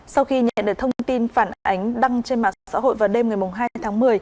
sau khi nhận được thông tin phản ánh đăng trên mạng xã hội vào đêm ngày hai tháng một mươi